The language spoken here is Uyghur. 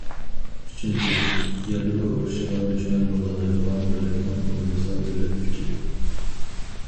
ئۈچىنچى، يادرو ئۇرۇشىغا دۈشمەن بولالايدىغان دۆلەتنىڭ ئۇنىۋېرسال دۆلەت كۈچى.